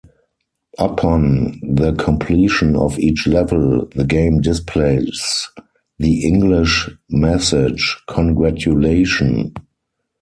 Upon the completion of each level, the game displays the Engrish message Congraturation!